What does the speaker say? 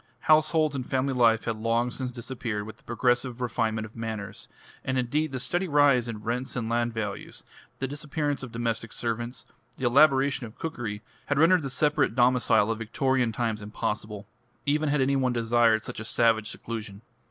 Households and family life had long since disappeared with the progressive refinement of manners; and indeed the steady rise in rents and land values, the disappearance of domestic servants, the elaboration of cookery, had rendered the separate domicile of Victorian times impossible, even had any one desired such a savage seclusion.